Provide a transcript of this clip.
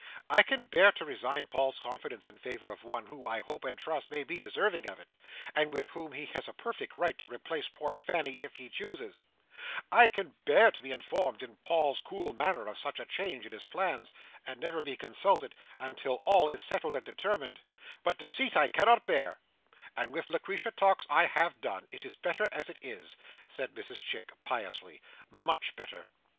"I can bear to resign Paul's confidence in favour of one who, I hope and trust, may be deserving of it, and with whom he has a perfect right to replace poor Fanny if he chooses; I can bear to be informed, in Paul's cool manner, of such a change in his plans, and never to be consulted until all is settled and determined; but deceit I can not bear, and with Lucretia Tox I have done. It is better as it is," said Mrs Chick, piously; "much better.